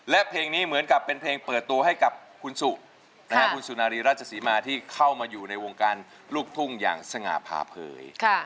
และเพลงนี้เหมือนกับเป็นเพลงเปิดตัวให้กับคุณสุคุณสุนารีราชศรีมาที่เข้ามาอยู่ในวงการลูกทุ่งอย่างสง่าพาเผย